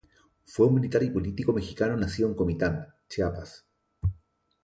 Fue un militar y político mexicano nacido en Comitán, Chiapas.